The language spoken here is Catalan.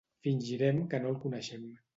Fingirem que no el coneixem.